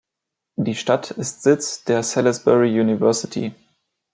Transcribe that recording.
Die Stadt ist Sitz der Salisbury University.